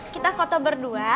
kita foto berdua